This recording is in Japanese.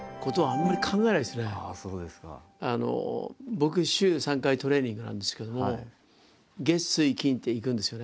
僕週３回トレーニングなんですけども月水金って行くんですよね。